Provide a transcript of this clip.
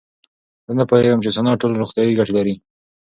زه نه پوهېږم چې سونا ټول روغتیایي ګټې لري.